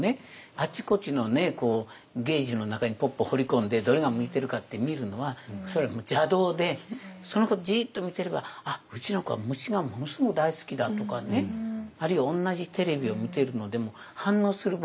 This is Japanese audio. あちこちのねゲージの中にぽっぽ放り込んでどれが向いてるかって見るのはそれは邪道でその子をじっと見てればあっうちの子は虫がものすごく大好きだとかねあるいは同じテレビを見てるのでも反応する場面が違うと。